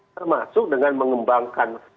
termasuk dengan mengembangkan